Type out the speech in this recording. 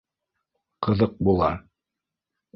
Ҡыҙыҡ була.